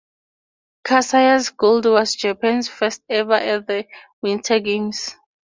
Kasaya's gold was Japan's first-ever at the Winter Games.